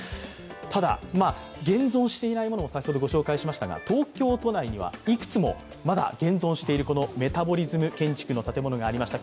ただ現存していないものも先ほど、ご紹介しましたが、東京都内には、いくつもまだ現存しているこのメタボリズム建築の建物がありました。